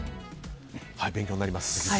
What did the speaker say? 勉強になります。